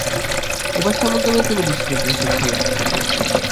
ঐ ভাষার মাধ্যমেই তিনি বিশ্ববিদ্যালয়ের শিক্ষা লাভ করিয়াছেন।